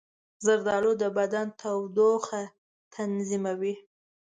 زردالو د بدن تودوخه تنظیموي.